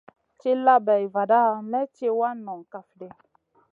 Tilla bay vada may tì wana nong kaf ɗi.